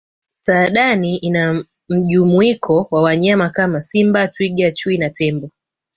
saadani ina mjumuiko wa wanyama Kama simba twiga chui na tembo